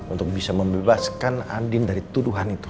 untuk bisa membebaskan andin dari tuduhan itu